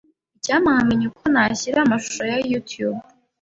Icyampa nkamenya uko nashyira amashusho ya YouTube.